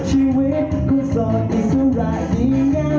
หยุดมีท่าหยุดมีท่า